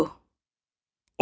oh putri biarkan aku masuk